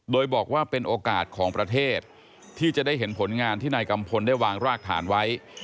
โดยบอกว่าเป็นโอกาสของประเทศที่จะได้เห็นผลงานที่นายกัมพลได้วางรากฐานไว้